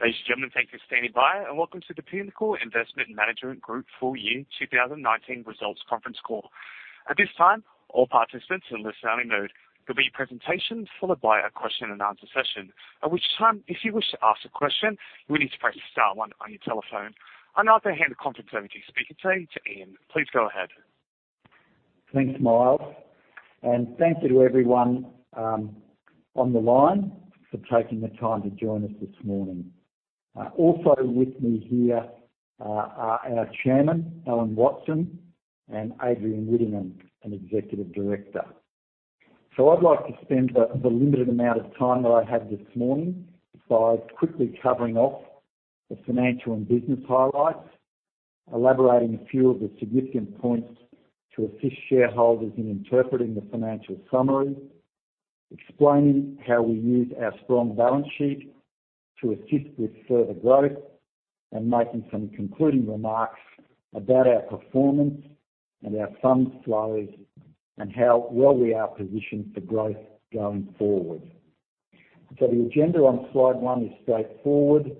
Ladies and gentlemen, thank you for standing by. Welcome to the Pinnacle Investment Management Group Full Year 2019 Results Conference Call. At this time, all participants are in listen-only mode. There'll be a presentation followed by a question and answer session, at which time, if you wish to ask a question, you will need to press star one on your telephone. I now hand the conference over to the speaker today, to Ian. Please go ahead. Thanks, Miles. Thank you to everyone on the line for taking the time to join us this morning. Also with me here are our chairman, Alan Watson, and Adrian Whittingham, an executive director. I'd like to spend the limited amount of time that I have this morning by quickly covering off the financial and business highlights, elaborating a few of the significant points to assist shareholders in interpreting the financial summary, explaining how we use our strong balance sheet to assist with further growth, and making some concluding remarks about our performance and our funds flows and how well we are positioned for growth going forward. The agenda on slide one is straightforward.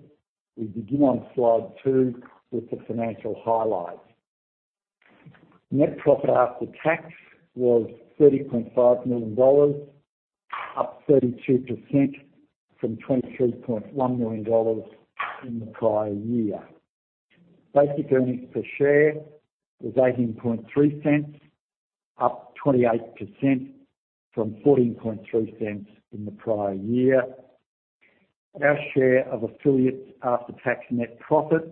We begin on slide two with the financial highlights. Net profit after tax was 30.5 million dollars, up 32% from 23.1 million dollars in the prior year. Basic earnings per share was 0.183, up 28% from 0.143 in the prior year. Our share of affiliates after tax net profit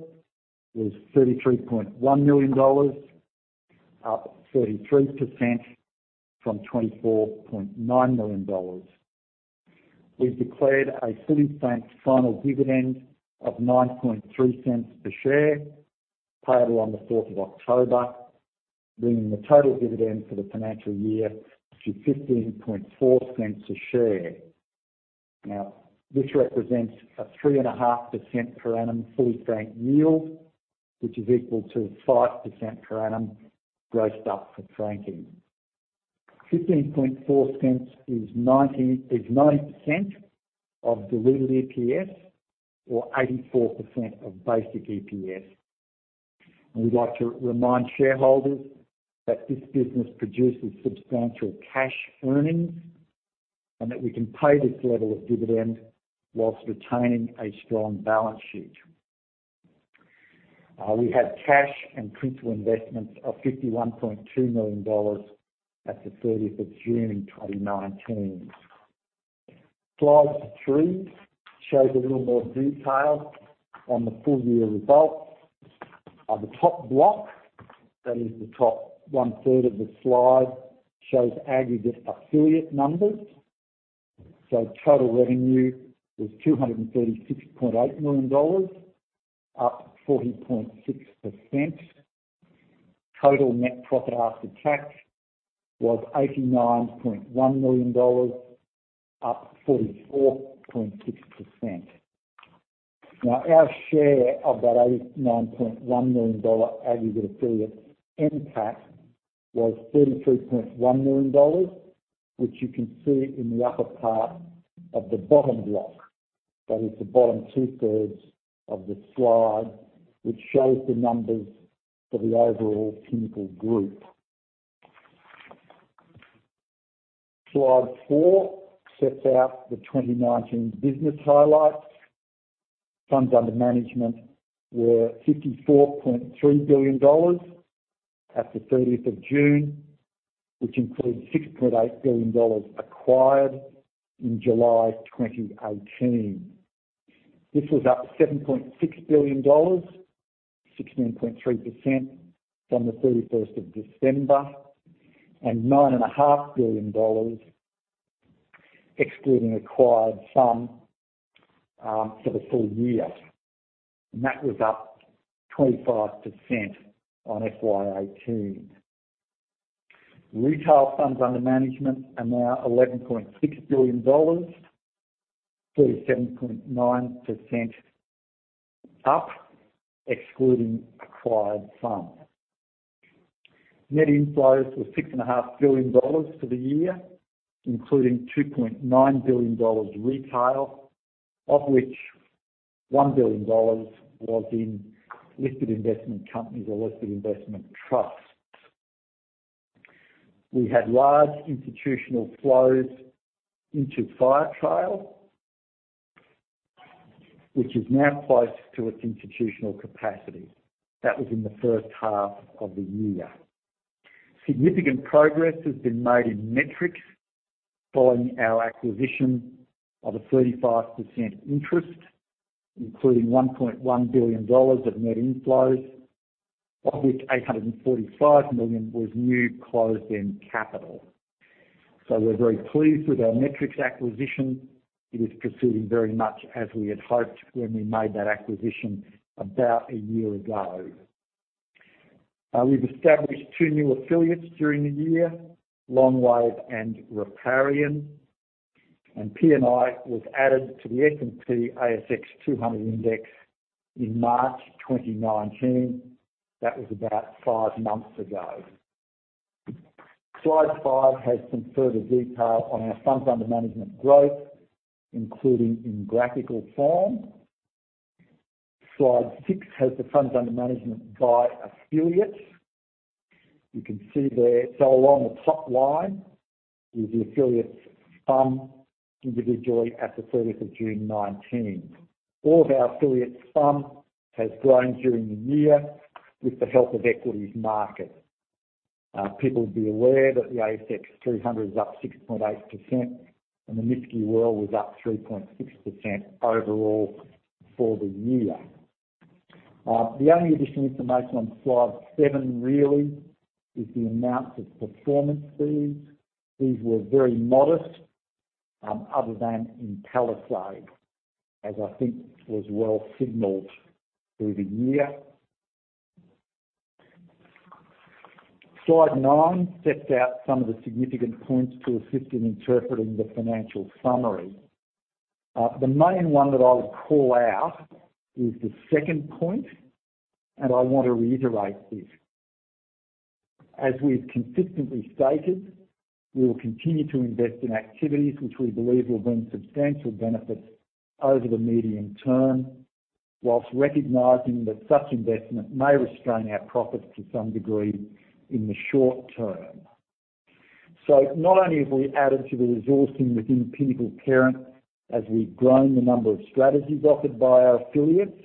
was AUD 33.1 million, up 33% from AUD 24.9 million. We've declared a fully franked final dividend of 0.093 per share payable on the 4th of October, bringing the total dividend for the financial year to 0.154 a share. This represents a 3.5% per annum fully franked yield, which is equal to 5% per annum grossed up for franking. 0.1540 is 90% of diluted EPS or 84% of basic EPS. We'd like to remind shareholders that this business produces substantial cash earnings and that we can pay this level of dividend whilst retaining a strong balance sheet. We have cash and principal investments of 51.2 million dollars at the 30th of June 2019. Slide three shows a little more detail on the full-year results of the top block. That is the top one-third of the slide shows aggregate affiliate numbers. Total revenue was 236.8 million, up 40.6%. Total net profit after tax was AUD 89.1 million, up 44.6%. Our share of that 89.1 million dollar aggregate affiliate NPAT was 33.1 million dollars, which you can see in the upper part of the bottom block. That is the bottom two-thirds of the slide, which shows the numbers for the overall Pinnacle Group. Slide four sets out the 2019 business highlights. Funds under management were AUD 54.3 billion at the 30th of June, which includes AUD 6.8 billion acquired in July 2018. This was up to 7.6 billion dollars, 16.3% from the 31st of December, and 9.5 billion dollars excluding acquired funds for the full year, and that was up 25% on FY 2018. Retail funds under management are now AUD 11.6 billion, 37.9% up excluding acquired funds. Net inflows were 6.5 billion dollars for the year, including 2.9 billion dollars retail, of which 1 billion dollars was in listed investment companies or listed investment trusts. We had large institutional flows into Firetrail, which is now close to its institutional capacity. That was in the first half of the year. Significant progress has been made in Metrics following our acquisition of a 35% interest, including 1.1 billion dollars of net inflows, of which 845 million was new closed-end capital. We're very pleased with our Metrics acquisition. It is proceeding very much as we had hoped when we made that acquisition about a year ago. We've established two new affiliates during the year, Longwave and Riparian, and PNI was added to the S&P/ASX 200 index in March 2019. That was about five months ago. Slide five has some further detail on our funds under management growth, including in graphical form. Slide six has the funds under management by affiliates. You can see there, along the top line is the affiliates fund individually at the 30th of June 2019. All of our affiliates' funds has grown during the year with the help of equities market. People would be aware that the ASX 200 is up 6.8% and the MSCI World was up 3.6% overall for the year. The only additional information on slide seven really is the amount of performance fees. These were very modest, other than in Palisade as I think was well signaled through the year. Slide nine sets out some of the significant points to assist in interpreting the financial summary. The main one that I would call out is the second point, and I want to reiterate this. As we've consistently stated, we will continue to invest in activities which we believe will bring substantial benefits over the medium term, while recognizing that such investment may restrain our profits to some degree in the short term. Not only have we added to the resourcing within Pinnacle Parent as we've grown the number of strategies offered by our affiliates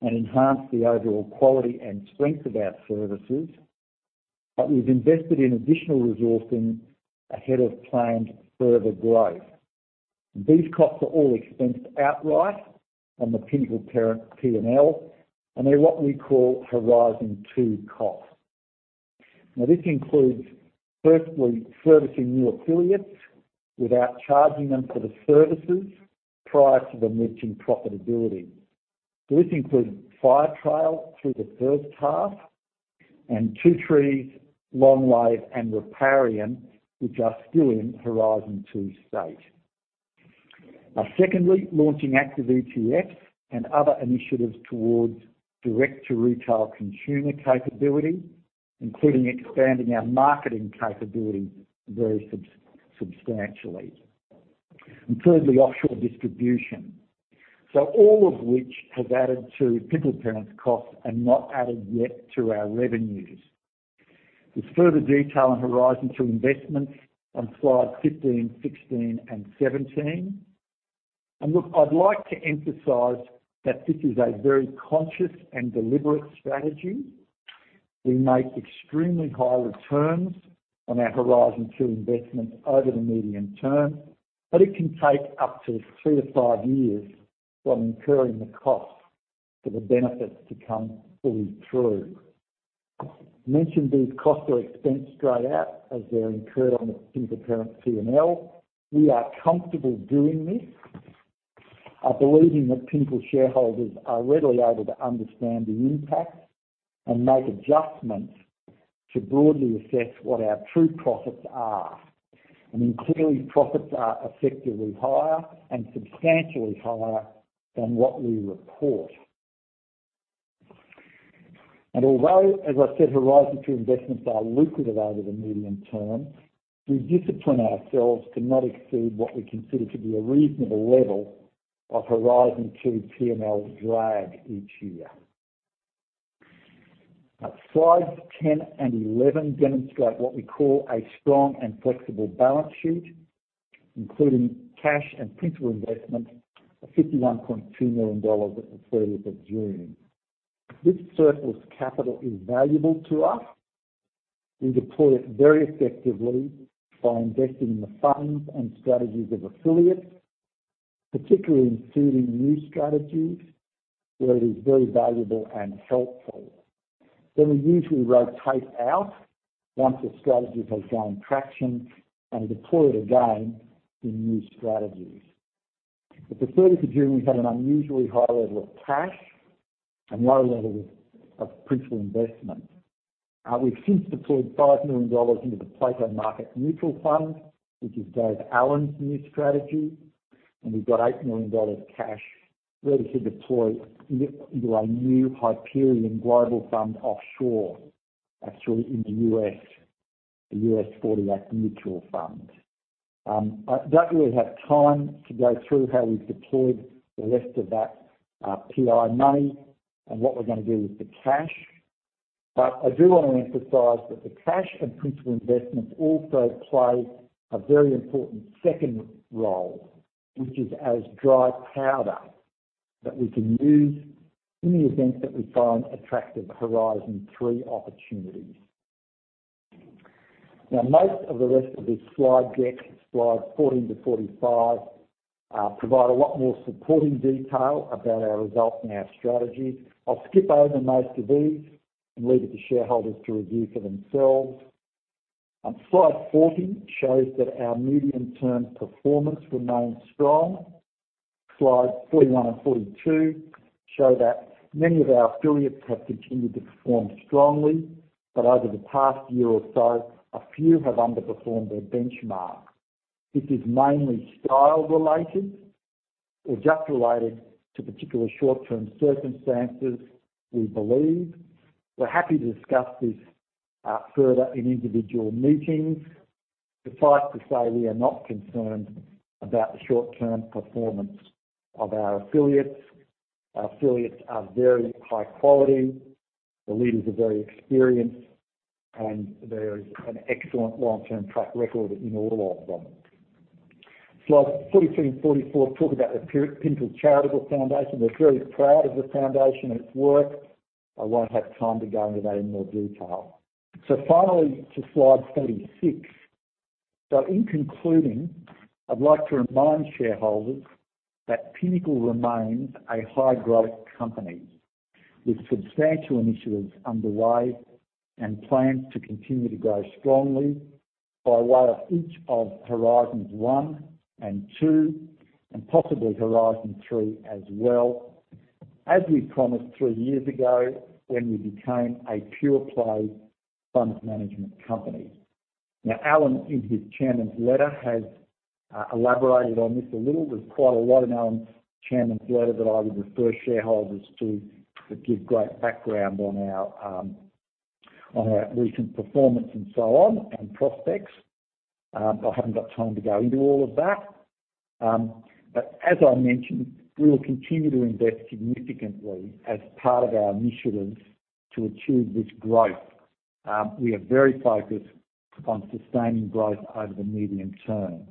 and enhanced the overall quality and strength of our services, but we've invested in additional resourcing ahead of planned further growth. These costs are all expensed outright on the Pinnacle Parent P&L, and they're what we call Horizon 2 costs. This includes, firstly, servicing new affiliates without charging them for the services prior to them reaching profitability. This includes Firetrail through the first half and Two Trees, Longwave, and Riparian, which are still in Horizon 2 state. Secondly, launching active ETFs and other initiatives towards direct-to-retail consumer capability, including expanding our marketing capability very substantially. Thirdly, offshore distribution. All of which has added to Pinnacle Parent's costs and not added yet to our revenues. There's further detail on Horizon 2 investments on slide 15, 16, and 17. Look, I'd like to emphasize that this is a very conscious and deliberate strategy. We make extremely high returns on our Horizon 2 investments over the medium term, but it can take up to three to five years from incurring the costs for the benefits to come fully through. I mentioned these costs are expensed straight out as they're incurred on the Pinnacle Parent P&L. We are comfortable doing this, believing that Pinnacle shareholders are readily able to understand the impact and make adjustments to broadly assess what our true profits are. I mean, clearly, profits are effectively higher and substantially higher than what we report. Although, as I said, Horizon 2 investments are lucrative over the medium term, we discipline ourselves to not exceed what we consider to be a reasonable level of P&L drag each year. Slides 10 and 11 demonstrate what we call a strong and flexible balance sheet, including cash and principal investments of 51.2 million dollars at the 30th of June. This surplus capital is valuable to us. We deploy it very effectively by investing in the funds and strategies of affiliates, particularly in seeding new strategies where it is very valuable and helpful. We usually rotate out once a strategy has gained traction and deploy it again in new strategies. At the 30th of June, we had an unusually high level of cash and low level of principal investment. We've since deployed 5 million dollars into the Plato Market Neutral Fund, which is Dave Allen's new strategy, and we've got 8 million dollars of cash ready to deploy into our new Hyperion Global Fund offshore, actually in the U.S., the U.S. '40 Act Mutual Fund. I don't really have time to go through how we've deployed the rest of that PI money and what we're going to do with the cash. I do want to emphasize that the cash and principal investments also play a very important second role, which is as dry powder that we can use in the event that we find attractive Horizon 3 opportunities. Most of the rest of this slide deck, slides 40 to 45, provide a lot more supporting detail about our results and our strategy. I'll skip over most of these and leave it to shareholders to review for themselves. Slide 40 shows that our medium-term performance remains strong. Slides 41 and 42 show that many of our affiliates have continued to perform strongly, but over the past year or so, a few have underperformed their benchmark. This is mainly style related or just related to particular short-term circumstances, we believe. We're happy to discuss this further in individual meetings. Suffice to say, we are not concerned about the short-term performance of our affiliates. Our affiliates are very high quality, the leaders are very experienced, and there is an excellent long-term track record in all of them. Slides 43 and 44 talk about the Pinnacle Charitable Foundation. We're very proud of the foundation and its work. I won't have time to go into that in more detail. Finally, to slide 46. In concluding, I'd like to remind shareholders that Pinnacle remains a high-growth company with substantial initiatives underway and plans to continue to grow strongly by way of each of Horizons 1 and 2, and possibly Horizon 3 as well, as we promised three years ago when we became a pure play funds management company. Alan, in his chairman's letter, has elaborated on this a little. There's quite a lot in Alan's chairman's letter that I would refer shareholders to that give great background on our recent performance and so on, and prospects. I haven't got time to go into all of that. As I mentioned, we will continue to invest significantly as part of our initiatives to achieve this growth. We are very focused on sustaining growth over the medium term.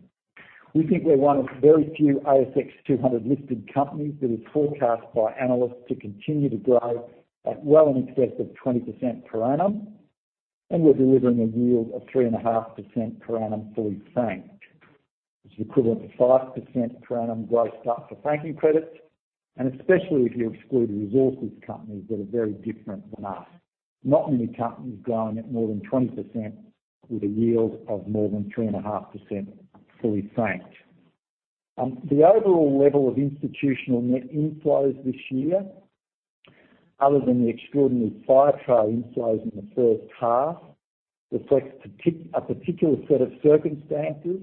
We think we're one of very few ASX 200-listed companies that are forecast by analysts to continue to grow at well in excess of 20% per annum, and we're delivering a yield of 3.5% per annum, fully franked. Especially if you exclude resources companies that are very different from us. Not many companies growing at more than 20% with a yield of more than 3.5% fully franked. The overall level of institutional net inflows this year, other than the extraordinary Firetrail inflows in the first half, reflects a particular set of circumstances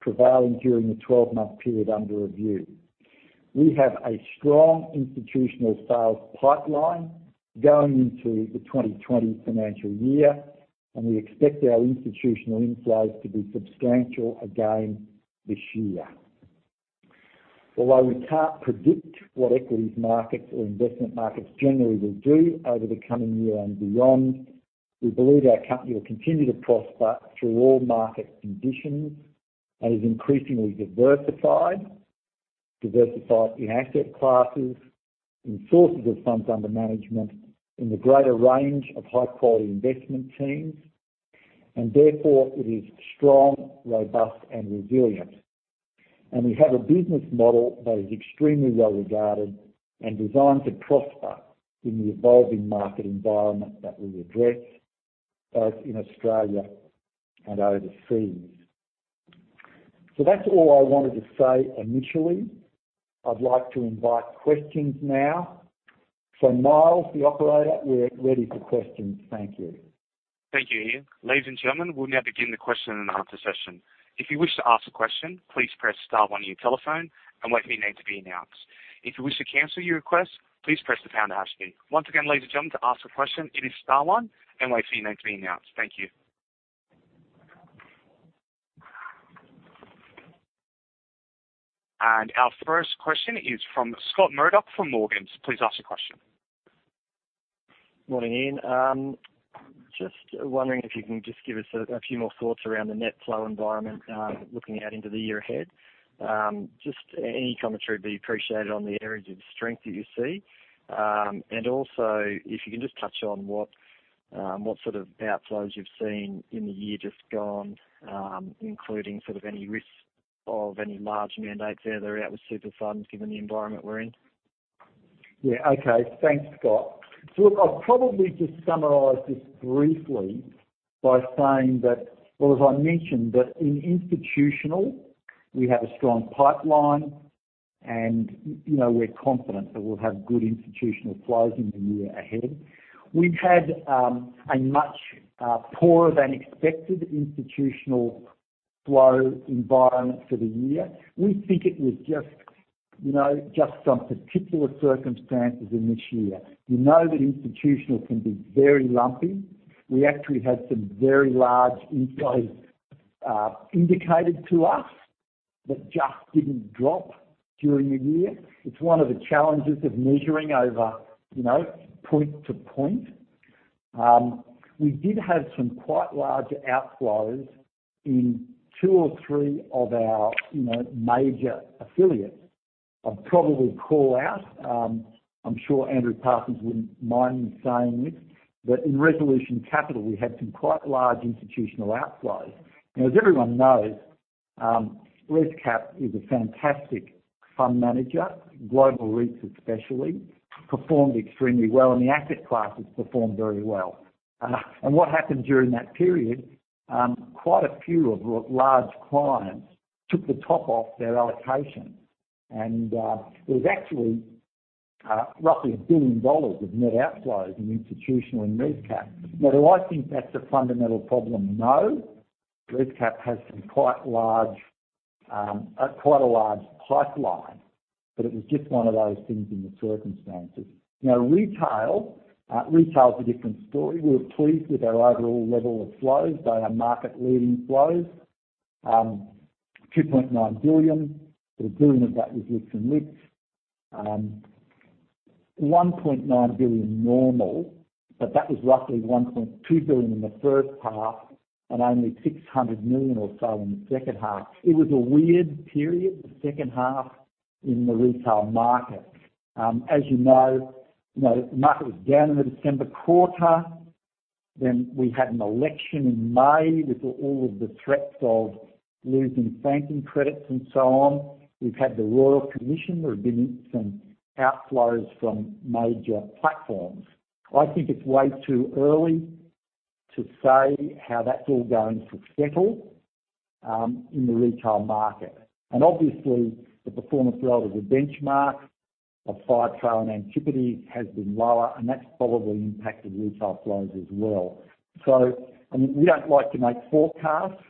prevailing during the 12-month period under review. We have a strong institutional sales pipeline going into the 2020 financial year. We expect our institutional inflows to be substantial again this year. Although we can't predict what equities markets or investment markets generally will do over the coming year and beyond, we believe our company will continue to prosper through all market conditions and is increasingly diversified. Diversified in asset classes, in sources of funds under management, in the greater range of high-quality investment teams. Therefore it is strong, robust and resilient. We have a business model that is extremely well-regarded and designed to prosper in the evolving market environment that we address, both in Australia and overseas. That's all I wanted to say initially. I'd like to invite questions now. Miles, the operator, we're ready for questions. Thank you. Thank you, Ian. Ladies and gentlemen, we will now begin the question and answer session. If you wish to ask a question, please press star one on your telephone and wait for your name to be announced. If you wish to cancel your request, please press the pound or hash key. Once again, ladies and gentlemen, to ask a question, it is star one and wait for your name to be announced. Thank you. Our first question is from Scott Murdoch from Morgans. Please ask your question. Morning, Ian. Just wondering if you can just give us a few more thoughts around the net flow environment, looking out into the year ahead? Just any commentary would be appreciated on the areas of strength that you see. Also, if you can just touch on what sort of outflows you've seen in the year just gone, including any risks of any large mandates there that are out with super funds, given the environment we're in? Yeah. Okay. Thanks, Scott. Look, I'll probably just summarize this briefly by saying that, well, as I mentioned that in institutional, we have a strong pipeline and we're confident that we'll have good institutional flows in the year ahead. We've had a much poorer-than-expected institutional flow environment for the year. We think it was just some particular circumstances in this year. You know that institutional can be very lumpy. We actually had some very large inflows indicated to us that just didn't drop during the year. It's one of the challenges of measuring over point to point. We did have some quite large outflows in two or three of our major affiliates. I'd probably call out, I'm sure Andrew Parsons wouldn't mind me saying this, that in Resolution Capital we had some quite large institutional outflows. As everyone knows, ResCap is a fantastic fund manager. Global REITs especially performed extremely well and the asset classes performed very well. What happened during that period, quite a few of large clients took the top off their allocation and it was actually roughly 1 billion dollars of net outflows in institutional and listco. Do I think that's a fundamental problem? No. Listco has some quite a large pipeline, but it was just one of those things in the circumstances. Retail is a different story. We were pleased with our overall level of flows. They are market-leading flows, 2.9 billion. 1 billion of that was listed in listco. 1.9 billion normal, but that was roughly 1.2 billion in the first half and only 600 million or so in the second half. It was a weird period, the second half in the retail market. As you know, the market was down in the December quarter. We had an election in May with all of the threats of losing franking credits and so on. We've had the Royal Commission. There have been some outflows from major platforms. I think it's way too early to say how that's all going to settle in the retail market. Obviously, the performance relative to benchmark of Firetrail and Antipodes has been lower, and that's probably impacted retail flows as well. We don't like to make forecasts,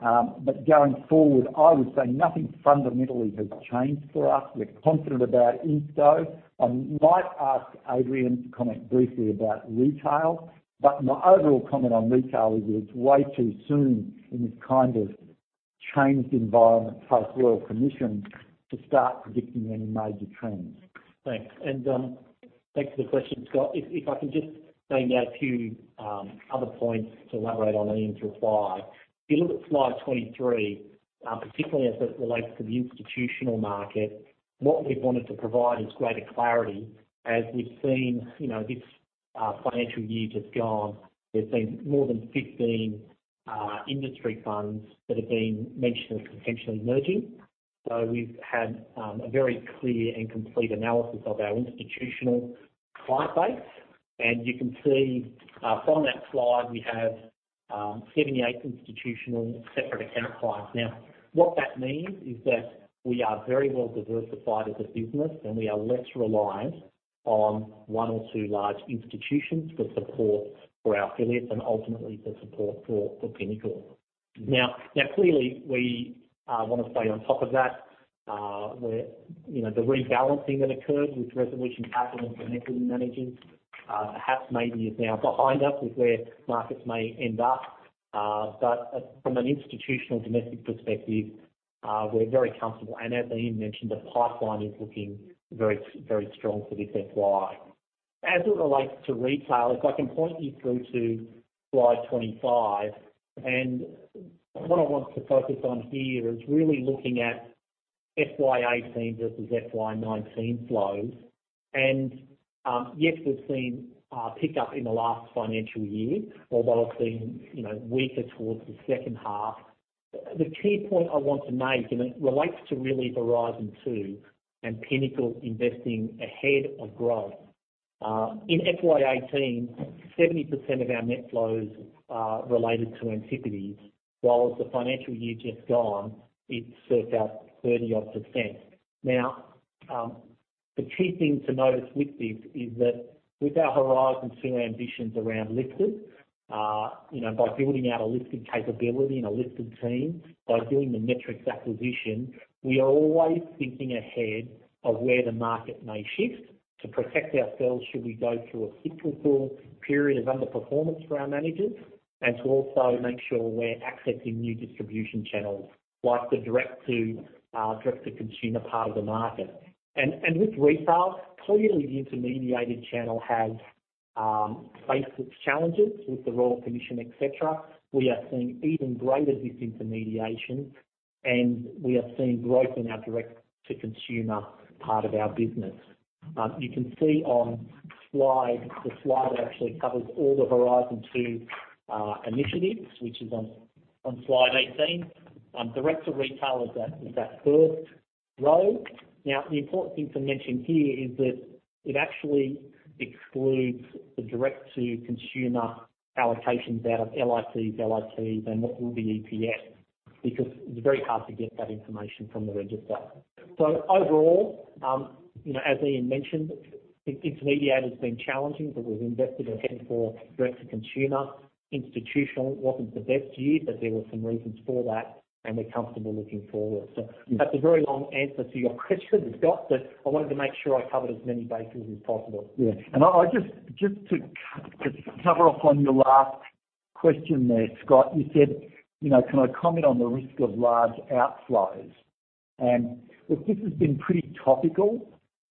but going forward, I would say nothing fundamentally has changed for us. We're confident about Insto. I might ask Adrian to comment briefly about retail, but my overall comment on retail is it's way too soon in this kind of changed environment post-Royal Commission to start predicting any major trends. Thanks. Back to the question, Scott. If I can just bring out a few other points to elaborate on Ian's reply. If you look at slide 23, particularly as it relates to the institutional market, what we've wanted to provide is greater clarity as we've seen this financial year just gone. There's been more than 15 industry funds that have been mentioned as potentially merging. We've had a very clear and complete analysis of our institutional client base, and you can see from that slide we have 78 institutional separate account clients. Now, what that means is that we are very well diversified as a business, and we are less reliant on one or two large institutions for support for our affiliates and ultimately for support for Pinnacle. Now, clearly, we want to stay on top of that. The rebalancing that occurred with Resolution Capital and Equity Managers perhaps maybe is now behind us with where markets may end up. From an institutional domestic perspective, we're very comfortable. As Ian mentioned, the pipeline is looking very strong for this FY. As it relates to retail, if I can point you through to slide 25. What I want to focus on here is really looking at FY 2018 versus FY 2019 flows. Yes, we've seen a pickup in the last financial year, although it's been weaker towards the second half. The key point I want to make, and it relates to really Horizon 2 and Pinnacle investing ahead of growth. In FY 2018, 70% of our net flows are related to Antipodes, whereas the financial year just gone, it's circa 30-odd%. The key thing to notice with this is that with our Horizon 2 ambitions around listed, by building out a listed capability and a listed team, by doing the Metrics acquisition, we are always thinking ahead of where the market may shift to protect ourselves should we go through a cyclical period of underperformance for our managers, and to also make sure we're accessing new distribution channels like the direct-to-consumer part of the market. With retail, clearly the intermediated channel has faced its challenges with the Royal Commission, et cetera. We are seeing even greater disintermediation, and we are seeing growth in our direct-to-consumer part of our business. You can see on the slide that actually covers all the Horizon 2 initiatives, which is on slide 18. Direct to retail is that first row. The important thing to mention here is that it actually excludes the direct-to-consumer allocations out of LICs, LITs, and what will be EPS, because it's very hard to get that information from the register. Overall, as Ian mentioned, intermediated has been challenging, but we've invested ahead for direct-to-consumer. Institutional wasn't the best year, but there were some reasons for that and we're comfortable looking forward. That's a very long answer to your question, Scott, but I wanted to make sure I covered as many bases as possible. Yeah. Just to cover off on your last question there, Scott, you said, Can I comment on the risk of large outflows? Look, this has been pretty topical,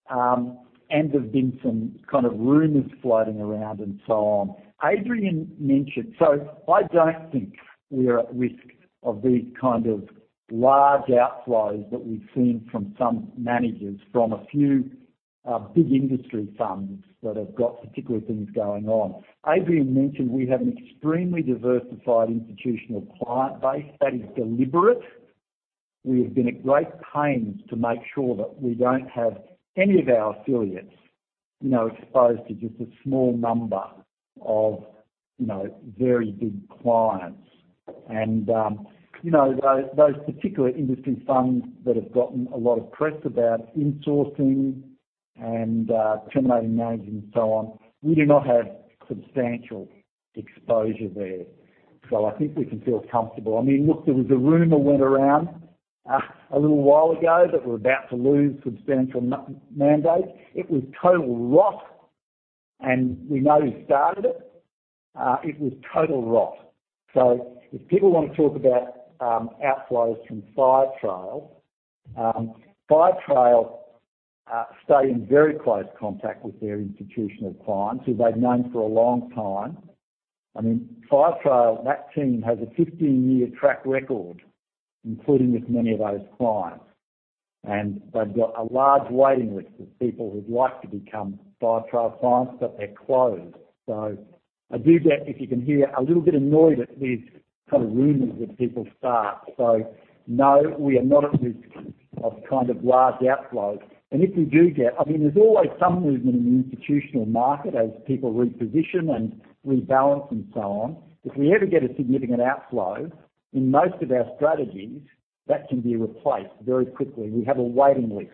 and there have been some kind of rumors floating around and so on. Adrian mentioned. I don't think we are at risk of these kind of large outflows that we've seen from some managers, from a few big industry funds that have got particular things going on. Adrian mentioned we have an extremely diversified institutional client base. That is deliberate. We have been at great pains to make sure that we don't have any of our affiliates exposed to just a small number of very big clients. Those particular industry funds that have gotten a lot of press about insourcing and terminating managers and so on, we do not have substantial exposure there. I think we can feel comfortable. Look, there was a rumor went around a little while ago that we're about to lose substantial mandate. It was total rot, and we know who started it. It was total rot. If people want to talk about outflows from Firetrail stay in very close contact with their institutional clients, who they've known for a long time. Firetrail, that team, has a 15-year track record, including with many of those clients. They've got a large waiting list of people who'd like to become Firetrail clients, but they're closed. I do get, if you can hear, a little bit annoyed at these kind of rumors that people start. No, we are not at risk of kind of large outflows. There's always some movement in the institutional market as people reposition and rebalance and so on. If we ever get a significant outflow, in most of our strategies, that can be replaced very quickly. We have a waiting list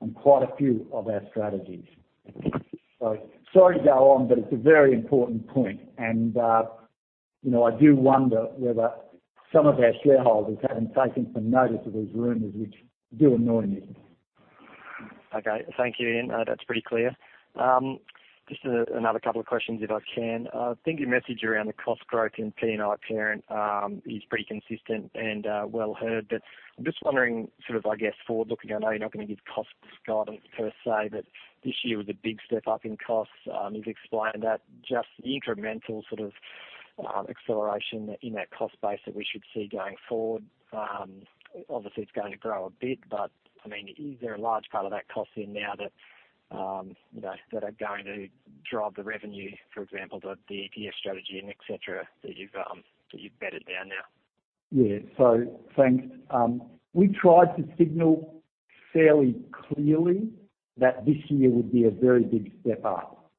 on quite a few of our strategies. Sorry to go on, but it's a very important point, and I do wonder whether some of our shareholders have been taking some notice of these rumors, which do annoy me. Okay. Thank you, Ian. That's pretty clear. Just another couple of questions if I can. I think your message around the cost growth in PNI Parent is pretty consistent and well heard. I'm just wondering sort of, I guess, forward-looking, I know you're not going to give cost guidance per se, this year was a big step-up in costs. You've explained that. Just the incremental sort of acceleration in that cost base that we should see going forward. Obviously, it's going to grow a bit, is there a large part of that cost in now that are going to drive the revenue, for example, the ETFs strategy and et cetera, that you've bedded down now? Yeah. Thanks. We tried to signal fairly clearly that this year would be a very big step up.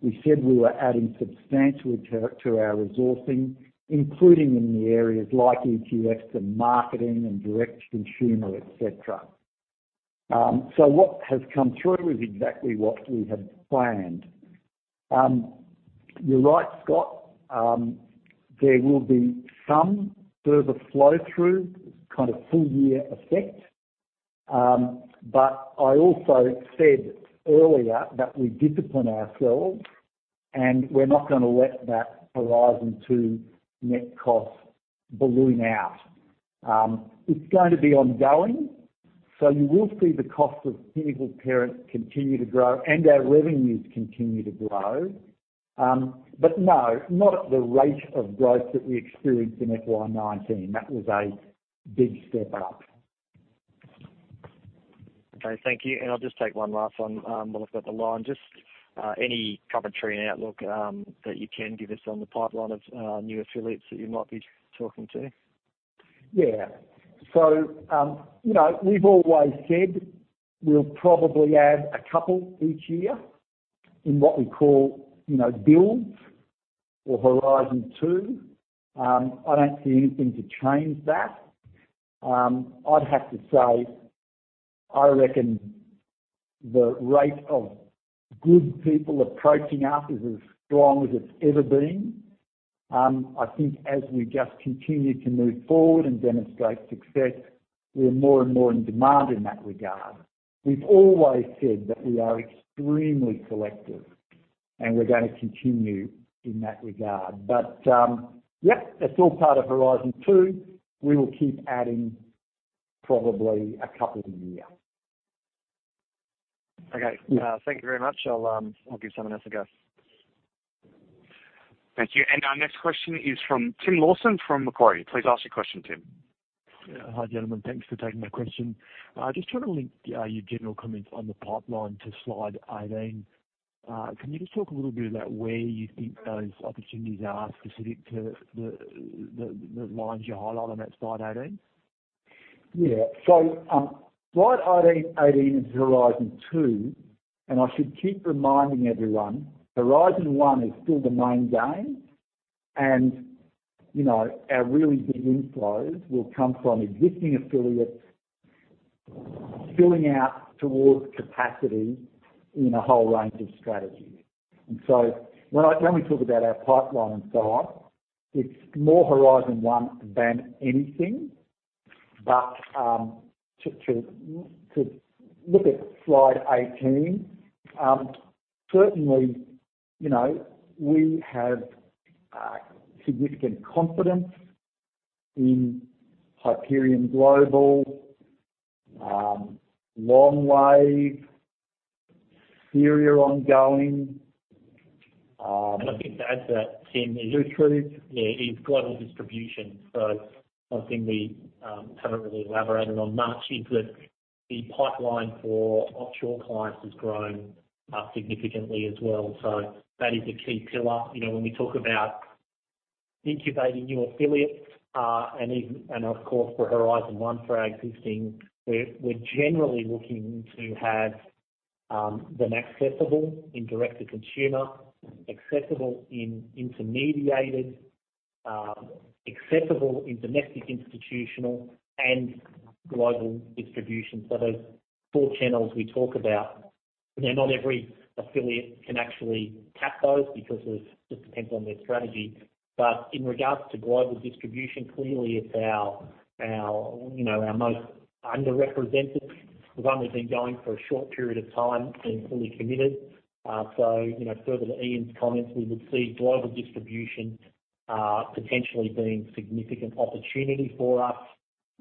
We said we were adding substantially to our resourcing, including in the areas like ETFs and marketing and direct consumer, et cetera. What has come through is exactly what we had planned. You're right, Scott. There will be some further flow-through, kind of full-year effect. I also said earlier that we discipline ourselves, and we're not going to let that Horizon 2 net cost balloon out. It's going to be ongoing. You will see the cost of Pinnacle Parent continue to grow and our revenues continue to grow. No, not at the rate of growth that we experienced in FY 2019. That was a big step up. Okay, thank you. I'll just take one last one while I've got the line. Just any commentary and outlook that you can give us on the pipeline of new affiliates that you might be talking to? We've always said we'll probably add a couple each year in what we call builds or Horizon Two. I don't see anything to change that. I'd have to say, I reckon the rate of good people approaching us is as strong as it's ever been. I think as we just continue to move forward and demonstrate success, we are more and more in demand in that regard. We've always said that we are extremely selective, and we're going to continue in that regard. Yep, it's all part of Horizon Two. We will keep adding probably a couple a year. Okay. Thank you very much. I'll give someone else a go. Thank you. Our next question is from Tim Lawson from Macquarie. Please ask your question, Tim. Hi, gentlemen. Thanks for taking my question. Just trying to link your general comments on the pipeline to slide 18. Can you just talk a little bit about where you think those opportunities are specific to the lines you highlight on that slide 18? Yeah. Slide 18 is Horizon 2, I should keep reminding everyone, Horizon 1 is still the main game. Our really big inflows will come from existing affiliates filling out towards capacity in a whole range of strategies. When we talk about our pipeline and so on, it's more Horizon 1 than anything. To look at slide 18, certainly, we have significant confidence in Hyperion Global, Longwave, Solaris ongoing- I think to add to that, Tim, is yeah, is global distribution. One thing we haven't really elaborated on much is that the pipeline for offshore clients has grown significantly as well. That is a key pillar. When we talk about incubating new affiliates, and of course, for Horizon 1, for our existing, we're generally looking to have them accessible in direct-to-consumer, accessible in intermediated, accessible in domestic, institutional, and global distribution. Those four channels we talk about. Not every affiliate can actually tap those because it just depends on their strategy. In regards to global distribution, clearly it's our most underrepresented. The one we've been going for a short period of time and fully committed. Further to Ian's comments, we would see global distribution potentially being significant opportunity for us.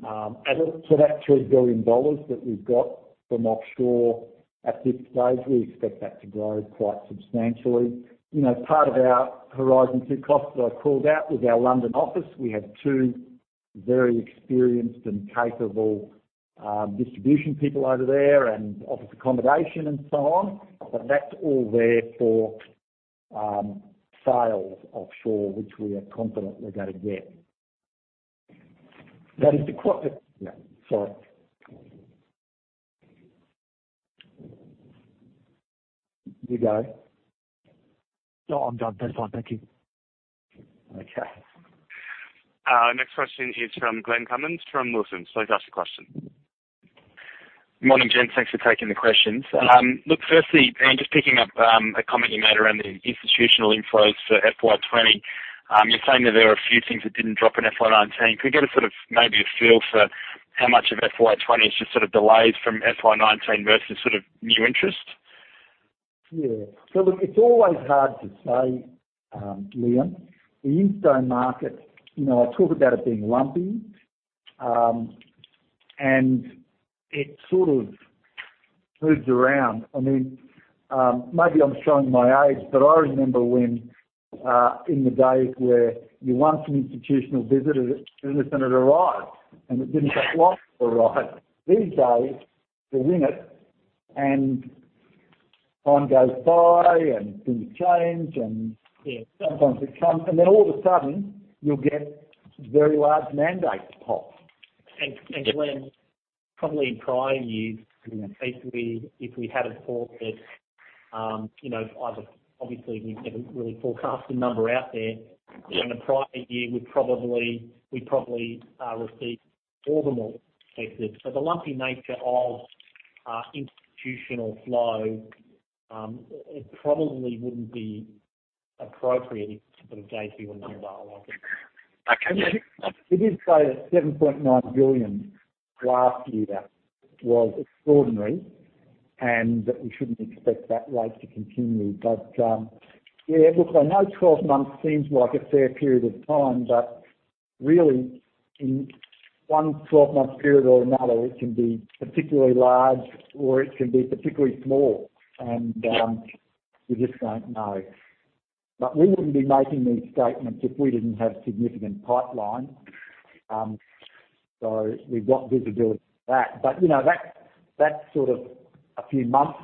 As for that 3 billion dollars that we've got from offshore at this stage, we expect that to grow quite substantially. Part of our Horizon 2 costs that I called out was our London office. We have two very experienced and capable distribution people over there and office accommodation and so on. That's all there for sales offshore, which we are confident we're going to get. That is. Sorry. You go. No, I'm done. That's fine, thank you. Okay. Next question is from Glenn Cummins from Wilsons. Please ask the question. Morning, gents. Thanks for taking the questions. Look, firstly, Ian, just picking up a comment you made around the institutional inflows for FY 2020. You're saying that there are a few things that didn't drop in FY 2019. Could we get maybe a feel for how much of FY 2020 is just delays from FY 2019 versus new interest? Look, it's always hard to say, Glenn. The insto market, I talk about it being lumpy, and it sort of moves around. Maybe I'm showing my age, but I remember when in the days where you want an institutional visitor, it wasn't to arrive, and it didn't take long to arrive. These days, you're winning it, and time goes by, and things change. Yeah Sometimes it comes, and then all of a sudden, you will get very large mandates pop. Glenn, probably in prior years, if we had a thought that, either obviously we've never really forecasted a number out there. Yeah in the prior year, we'd probably receive more than what we expected. The lumpy nature of institutional flow, it probably wouldn't be appropriate if to sort of gave you a number like that. Okay. We did say that 7.9 billion last year was extraordinary, that we shouldn't expect that rate to continue. Yeah, look, I know 12 months seems like a fair period of time, but really in one 12-month period or another, it can be particularly large, or it can be particularly small. We just don't know. We wouldn't be making these statements if we didn't have significant pipeline. We've got visibility for that. That's sort of a few months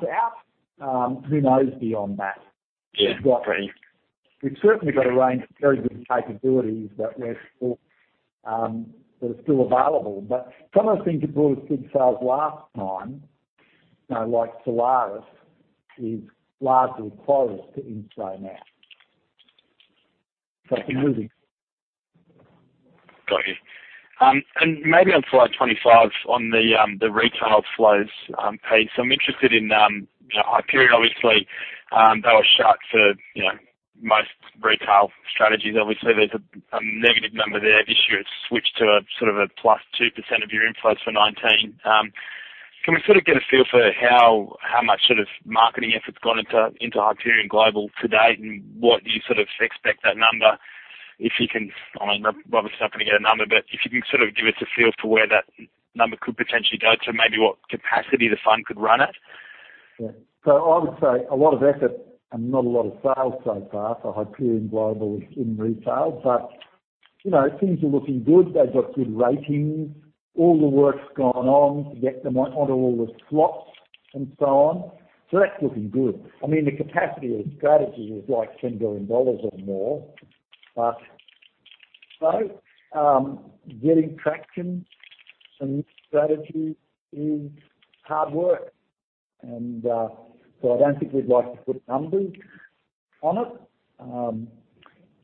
out. Who knows beyond that? Yeah. We've certainly got a range of very good capabilities that are still available. Some of the things that brought us good sales last time, like Solaris, is largely closed to insto now. It can move. Got you. Maybe on slide 25 on the retail flows piece, I'm interested in Hyperion. Obviously, they were shut for most retail strategies. Obviously, there's a negative number there. This year it's switched to a plus 2% of your inflows for 2019. Can we get a feel for how much marketing effort's gone into Hyperion Global Growth Companies Fund to date, and what you expect that number, if you can I mean, obviously not going to get a number, but if you can give us a feel for where that number could potentially go to, maybe what capacity the fund could run at? Yeah. I would say a lot of effort and not a lot of sales so far for Hyperion Global in retail, but things are looking good. They've got good ratings. All the work's gone on to get them onto all the slots and so on. That's looking good. The capacity of the strategy is like 10 billion dollars or more, but getting traction in this strategy is hard work. I don't think we'd like to put numbers on it.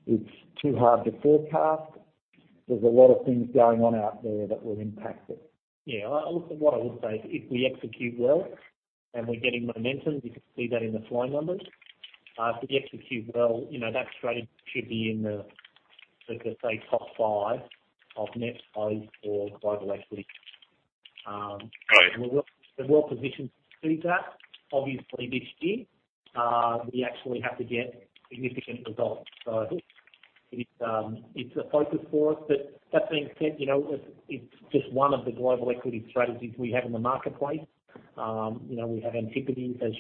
It's too hard to forecast. There's a lot of things going on out there that will impact it. Yeah. Also what I would say, if we execute well and we're getting momentum, you can see that in the flow numbers. If we execute well, that strategy should be in the, let's just say top five of net flows for global equity. Right. We're well-positioned to do that. Obviously, this year, we actually have to get significant results. It's a focus for us. That being said, it's just one of the global equity strategies we have in the marketplace. We have Antipodes, as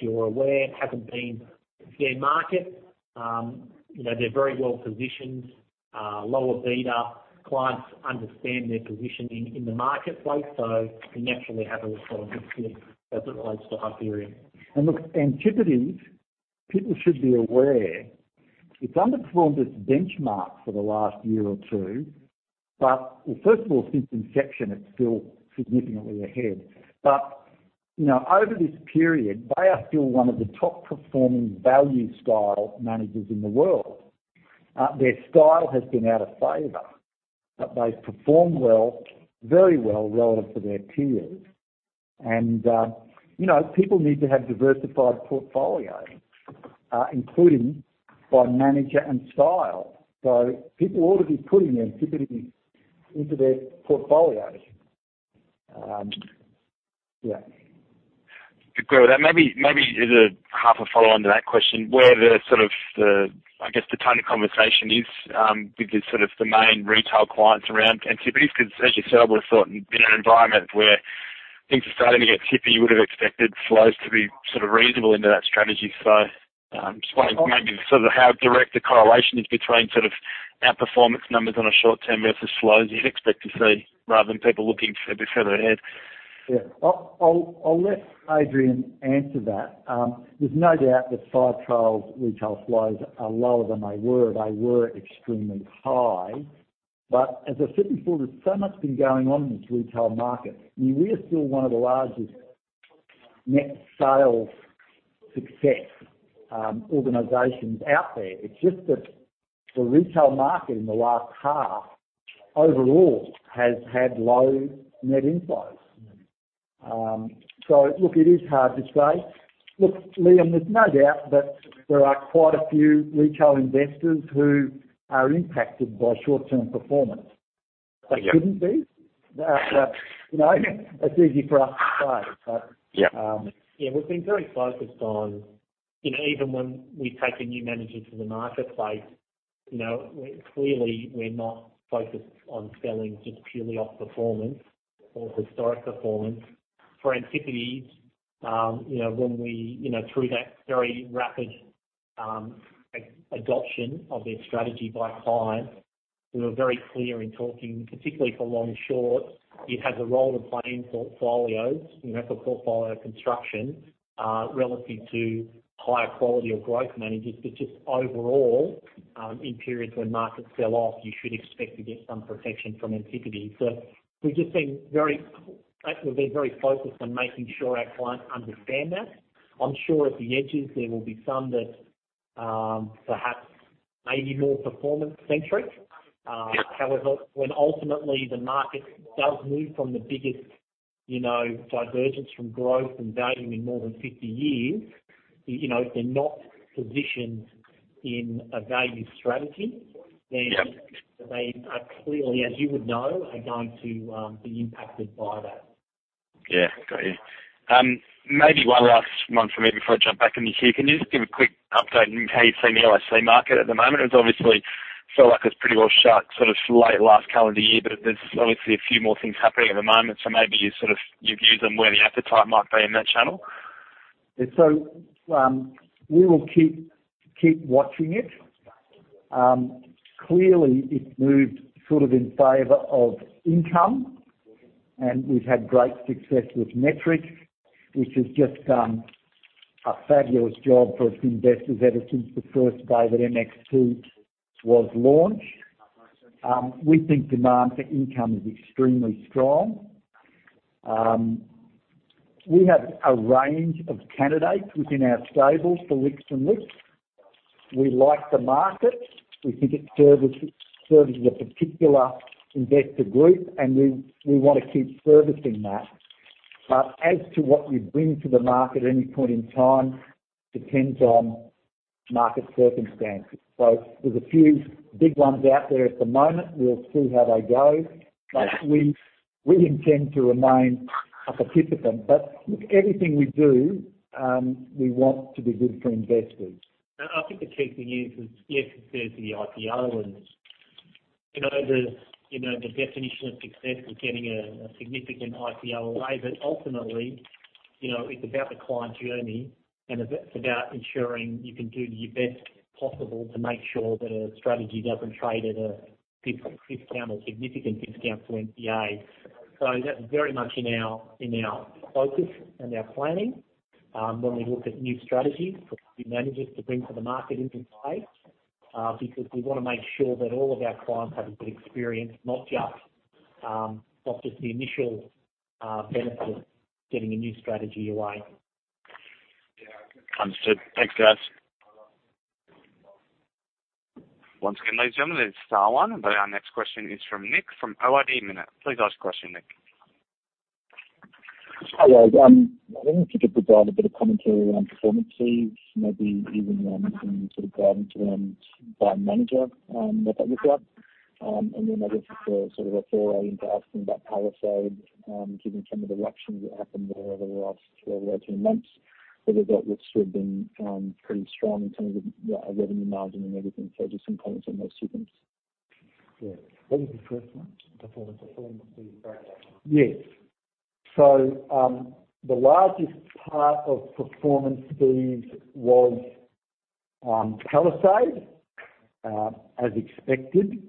you're aware. Hasn't been their market. They're very well positioned, lower beta. Clients understand their positioning in the marketplace, so we naturally have a lot of success as it relates to Hyperion. Look, Antipodes. People should be aware, it's underperformed its benchmark for the last year or two. First of all, since inception, it's still significantly ahead. Over this period, they are still one of the top performing value style managers in the world. Their style has been out of favor, but they've performed well, very well relative to their peers. People need to have diversified portfolios, including by manager and style. People ought to be putting Antipodes into their portfolios. Yeah. Agree with that. Maybe as a half a follow-on to that question, where the sort of the, I guess, the tone of conversation is, with the main retail clients around Antipodes, because as you said, I would have thought in an environment where things are starting to get tippy, you would have expected flows to be reasonable into that strategy. I'm just wondering maybe how direct the correlation is between outperformance numbers on a short-term versus flows you'd expect to see rather than people looking further ahead? Yeah. I'll let Adrian answer that. There's no doubt that Firetrail retail flows are lower than they were. They were extremely high. As I said before, there's so much been going on in this retail market. We are still one of the largest net sales success organizations out there. It's just that the retail market in the last half overall has had low net inflows. Look, it is hard to say. Look, Glenn, there's no doubt that there are quite a few retail investors who are impacted by short-term performance. Yeah. They shouldn't be. That's easy for us to say, but. Yeah Yeah, we've been very focused on, even when we take a new manager to the marketplace, clearly we're not focused on selling just purely off performance or historic performance. For Antipodes, through that very rapid adoption of their strategy by clients, we were very clear in talking, particularly for long short, it has a role to play in portfolios, for portfolio construction, relative to higher quality or growth managers. Just overall, in periods when markets sell off, you should expect to get some protection from Antipodes. We've just been very focused on making sure our clients understand that. I'm sure at the edges there will be some that perhaps may be more performance-centric. However, when ultimately the market does move from the biggest divergence from growth and value in more than 50 years, if they're not positioned in a value strategy. Yeah they are clearly, as you would know, are going to be impacted by that. Yeah. Got you. Maybe one last one from me before I jump back in the queue. Can you just give a quick update on how you see the LIC market at the moment? It's obviously felt like it's pretty well shut late last calendar year, but there's obviously a few more things happening at the moment. Maybe your view on where the appetite might be in that channel? We will keep watching it. Clearly, it's moved in favor of income, and we've had great success with Metrics, which has just done a fabulous job for its investors ever since the first day that MXT was launched. We think demand for income is extremely strong. We have a range of candidates within our stable for listing LICs. We like the market. We think it serves a particular investor group, and we want to keep servicing that. As to what we bring to the market at any point in time depends on market circumstances. There's a few big ones out there at the moment. We'll see how they go. We intend to remain a participant. Look, everything we do, we want to be good for investors. I think the key thing is, yes, there's the IPO and the definition of success is getting a significant IPO away. Ultimately, it's about the client journey and it's about ensuring you can do your best possible to make sure that a strategy doesn't trade at a big discount or significant discount to NAV. That's very much in our focus and our planning, when we look at new strategies for new managers to bring to the market into play, because we want to make sure that all of our clients have a good experience, not just the initial benefit of getting a new strategy away. Understood. Thanks, guys. Once again, ladies and gentlemen, that is Star One, and our next question is from Nick from Ord Minnett. Please ask your question, Nick. Hi guys. I was wondering if you could provide a bit of commentary around performance fees, maybe even some sort of guidance around by manager, what that looks like. Then maybe just a foray into asking about Palisade, given some of the ructions that happened there over the last 12 to 18 months, whether that would have been pretty strong in terms of revenue margin and everything. Just some comments on those two things. Yeah. What was the first one? Performance fees. Yes. The largest part of performance fees was Palisade, as expected.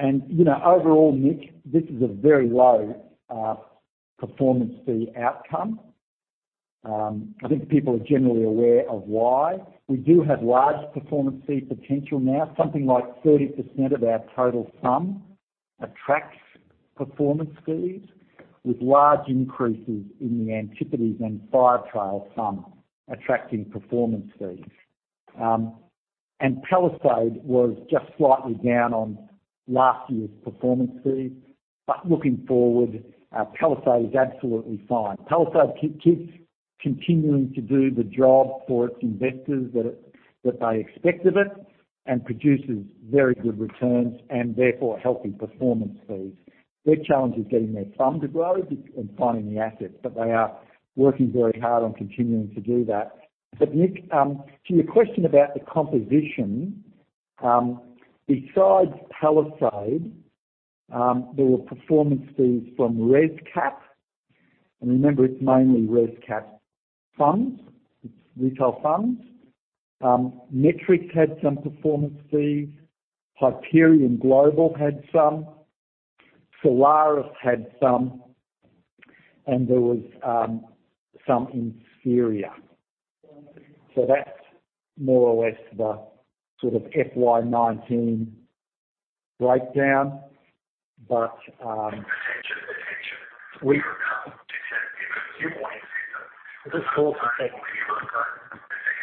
Overall, Nick, this is a very low performance fee outcome. I think people are generally aware of why. We do have large performance fee potential now, something like 30% of our total sum attracts performance fees, with large increases in the Antipodes and Firetrail sum attracting performance fees. Palisade was just slightly down on last year's performance fee. Looking forward, Palisade is absolutely fine. Palisade keeps continuing to do the job for its investors that they expect of it and produces very good returns, and therefore, healthy performance fees. Their challenge is getting their sum to grow and finding the assets, but they are working very hard on continuing to do that. Nick, to your question about the composition, besides Palisade, there were performance fees from ResCap. Remember, it's mainly ResCap funds, it's retail funds. Metrics had some performance fees, Hyperion Global had some, Solaris had some, and there was some in Spheria. So that's more or less the FY 2019 breakdown. Attention, attention. We are now detecting a few points. Just pause that.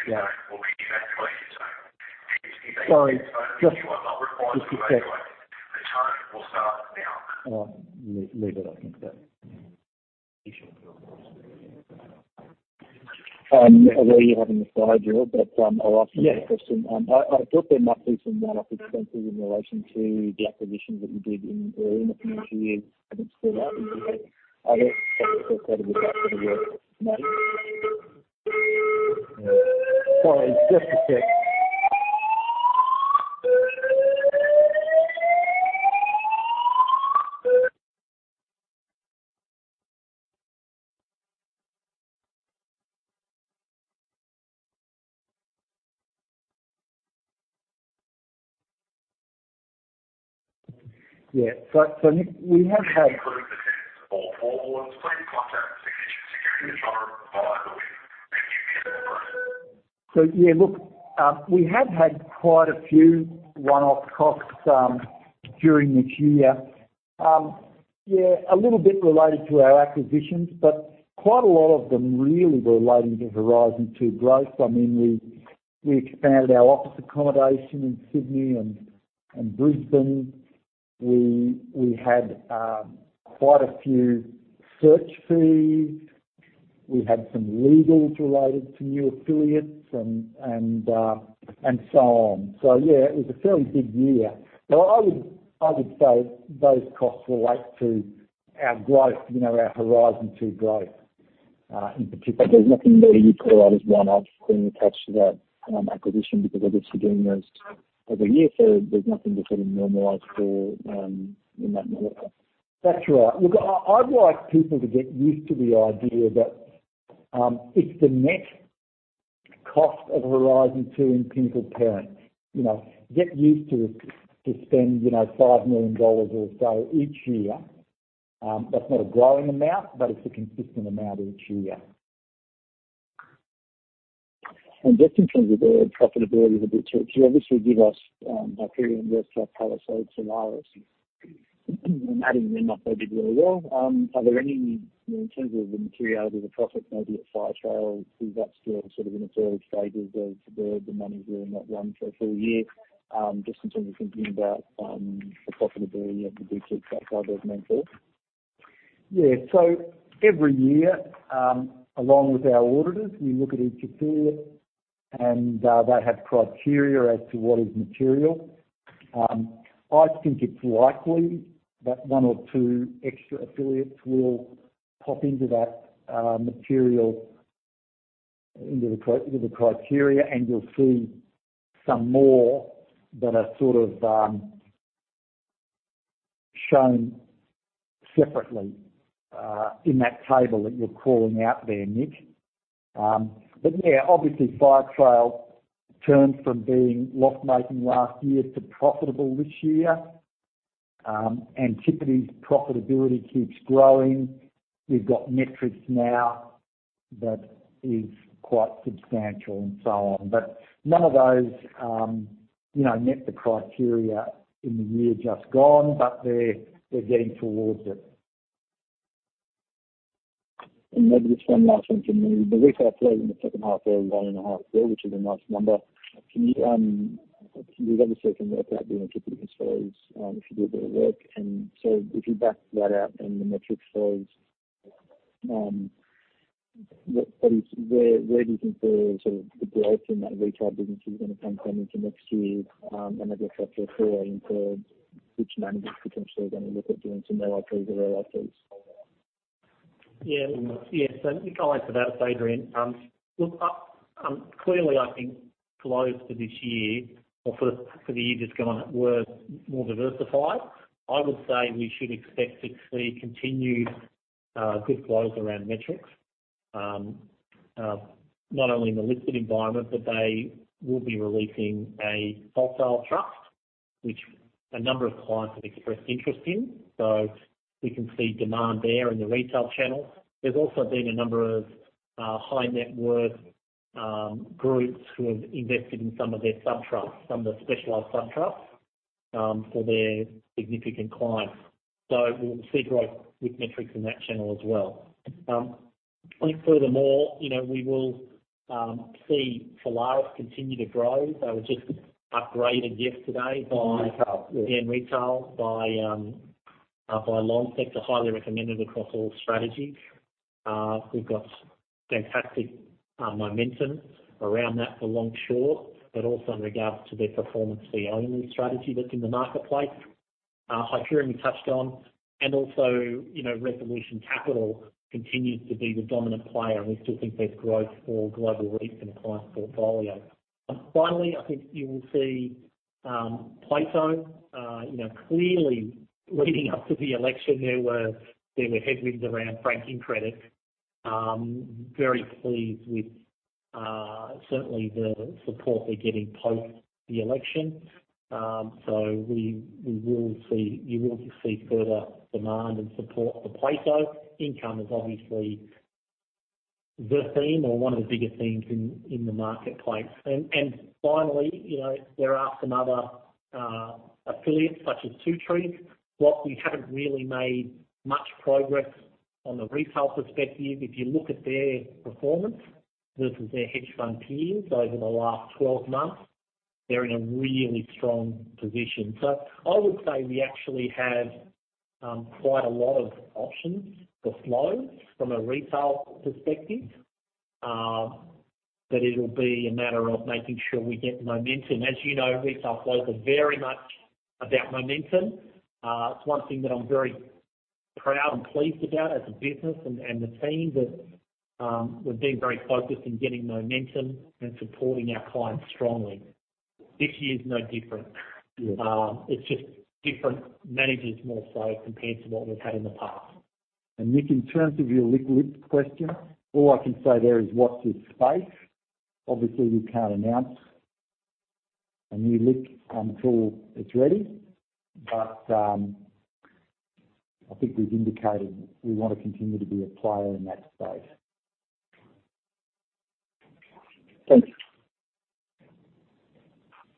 The tone will be your first tone. The second tone will be evacuation tone. Sorry, just to check. You are not replying to evacuate, the tone will start now. All right. Leave it, I think, then. I'm aware you're having a side ear, but I'll ask you a question. I thought there might be some one-off expenses in relation to the acquisitions that you did early in the financial year that stood out. Sorry, just a sec. Yeah. Nick, If you require assistance or forwards, please contact Security Control by the link and you will be assisted. Yeah, look, we have had quite a few one-off costs during this year. Yeah, a little bit related to our acquisitions, but quite a lot of them really relating to Horizon 2 growth. We expanded our office accommodation in Sydney and Brisbane. We had quite a few search fees. We had some legals related to new affiliates and so on. Yeah, it was a fairly big year. I would say those costs relate to our growth, our Horizon 2 growth, in particular. There's nothing that you'd call out as one-off being attached to that acquisition because obviously doing those over a year, so there's nothing to sort of normalize for in that number. That's right. Look, I'd like people to get used to the idea that it's the net cost of Horizon 2 in Pinnacle Parent. Get used to us to spend 5 million dollars or so each year. That's not a growing amount, but it's a consistent amount each year. Just in terms of the profitability of the groups, you obviously give us Hyperion, ResCap, Palisade, Solaris. Adding them up, they did really well. In terms of the materiality of the profit maybe at Firetrail, is that still in its early stages of the monies are in that one for a full year, just in terms of thinking about the profitability of the groups outside those main four? Every year, along with our auditors, we look at each affiliate and they have criteria as to what is material. I think it's likely that one or two extra affiliates will pop into the criteria, and you'll see some more that are shown separately in that table that you're calling out there, Nick. Obviously Firetrail turned from being loss-making last year to profitable this year. Antipodes' profitability keeps growing. We've got Metrics now that is quite substantial and so on. None of those met the criteria in the year just gone, but they're getting towards it. Maybe just one last one from me. The retail flow in the second half there was one and a half bill, which is a nice number. You obviously can work out the Antipodes flows if you do a bit of work. If you backed that out and the Metrics flows, where do you think the growth in that retail business is going to come from into next year? I guess after full year, which managers potentially are going to look at doing some LRPs or ERPs? Yeah. Nick, I'll answer that if that's Adrian. Clearly I think flows for this year or for the year just gone were more diversified. I would say we should expect to see continued good flows around Metrics Not only in the listed environment, but they will be releasing a wholesale trust, which a number of clients have expressed interest in. We can see demand there in the retail channel. There's also been a number of high-net worth groups who have invested in some of their sub-trusts, some of the specialized sub-trusts for their significant clients. We'll see growth with Metrics in that channel as well. I think furthermore, we will see Solaris continue to grow. They were just upgraded yesterday by- Retail, yeah. in retail by Lonsec. They're highly recommended across all strategies. We've got fantastic momentum around that for Longwave, but also in regards to their performance fee-only strategy that's in the marketplace. Hyperion, we touched on, and also Resolution Capital continues to be the dominant player, and we still think there's growth for Global REIT in the client portfolio. Finally, I think you will see Plato. Clearly leading up to the election, there were headwinds around franking credit. Very pleased with certainly the support they're getting post the election. You will see further demand and support for Plato. Income is obviously the theme or one of the bigger themes in the marketplace. Finally, there are some other affiliates such as Two Trees. While we haven't really made much progress on the retail perspective, if you look at their performance versus their hedge fund peers over the last 12 months, they're in a really strong position. I would say we actually have quite a lot of options for flow from a retail perspective, but it'll be a matter of making sure we get momentum. As you know, retail flows are very much about momentum. It's one thing that I'm very proud and pleased about as a business and the team that we've been very focused on getting momentum and supporting our clients strongly. This year's no different. Yeah. It's just different managers, more so, compared to what we've had in the past. Nick, in terms of your liquid question, all I can say there is watch this space. Obviously, we can't announce a new LIC until it's ready. I think we've indicated we want to continue to be a player in that space. Thanks.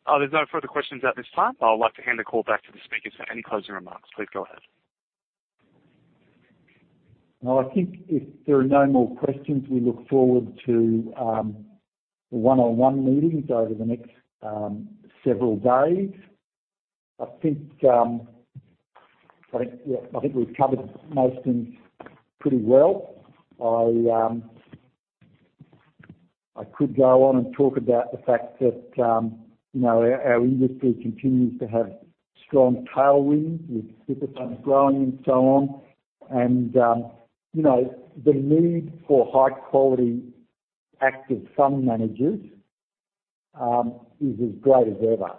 There's no further questions at this time. I would like to hand the call back to the speakers for any closing remarks. Please go ahead. Well, I think if there are no more questions, we look forward to the one-on-one meetings over the next several days. I think we've covered most things pretty well. I could go on and talk about the fact that our industry continues to have strong tailwinds with super funds growing and so on. The need for high-quality active fund managers is as great as ever.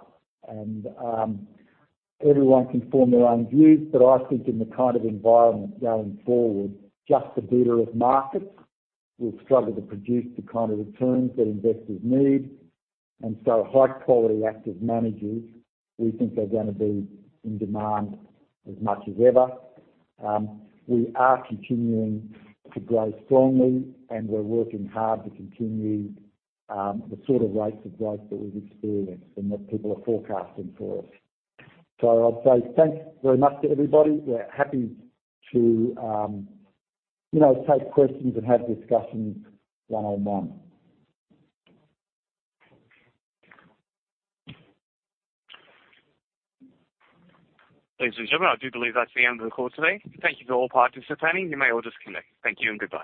Everyone can form their own views, but I think in the kind of environment going forward, just the beta of markets will struggle to produce the kind of returns that investors need. High-quality active managers, we think they're going to be in demand as much as ever. We are continuing to grow strongly, and we're working hard to continue the sort of rates of growth that we've experienced and that people are forecasting for us. I'd say thanks very much to everybody. We're happy to take questions and have discussions one on one. Ladies and gentlemen, I do believe that's the end of the call today. Thank you to all participating. You may all disconnect. Thank you and goodbye.